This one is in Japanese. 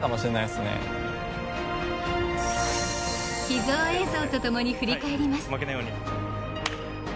秘蔵映像と共に振り返ります。